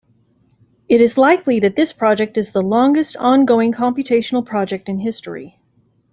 It is likely that this project is the longest, ongoing computational project in history.